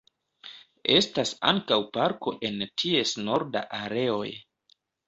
Estas ankaŭ parko en ties norda areoj.